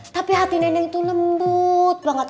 tapi hati nenek itu lembut banget